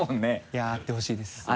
いや会ってほしいです。